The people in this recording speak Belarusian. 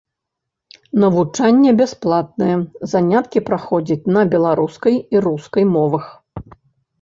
Навучанне бясплатнае, заняткі праходзяць на беларускай і рускай мовах.